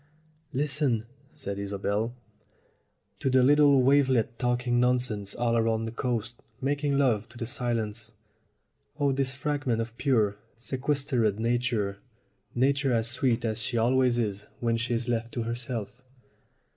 "Listen," said Isobel, "to the little wavelets talking nonsense all round the coast making love to the silence. Oh, this fragment of pure, sequestered Na ture Nature as sweet as she always is when she is left to herself!"